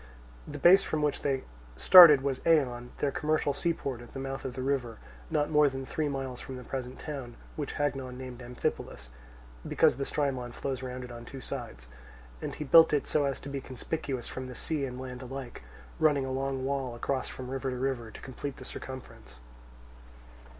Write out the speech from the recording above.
The base from which they started was Eion, their commercial seaport at the mouth of the river, not more than three miles from the present town, which Hagnon named Amphipolis, because the Strymon flows round it on two sides, and he built it so as to be conspicuous from the sea and land alike, running a long wall across from river to river, to complete the circumference.